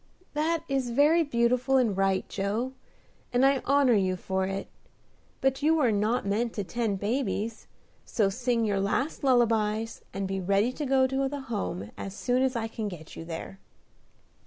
"That is very beautiful and right, Joe, and I honor you for it; but you were not meant to tend babies, so sing your last lullabies, and be ready to go to the Home as soon as I can get you there."